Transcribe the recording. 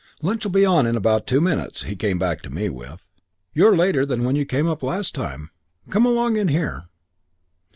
'Lunch'll be on in about two minutes,' he came back to me with. 'You're later than when you came up last time. Come along in here.'